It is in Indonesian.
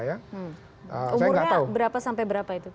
umurnya berapa sampai berapa itu